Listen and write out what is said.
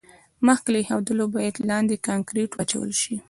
مخکې له ایښودلو باید لاندې کانکریټ واچول شي